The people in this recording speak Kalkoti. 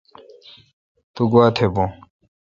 تو گوا تھ بھو۔